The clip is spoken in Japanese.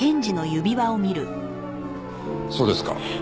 そうですか。